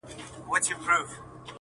o شعرونه نور ورته هيڅ مه ليكه.